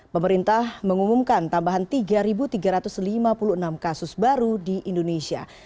pemerintah mengumumkan tambahan tiga tiga ratus lima puluh enam kasus baru di indonesia